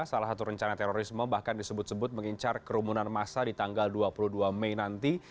salah satu rencana terorisme bahkan disebut sebut mengincar kerumunan massa di tanggal dua puluh dua mei nanti